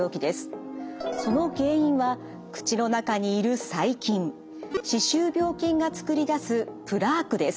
その原因は口の中にいる細菌歯周病菌が作り出すプラークです。